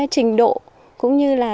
trình độ cũng như là